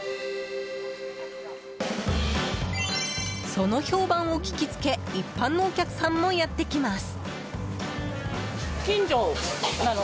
その評判を聞きつけ一般のお客さんもやってきます。